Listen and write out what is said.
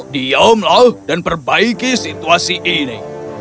diamlah dan perbaiki situasi ini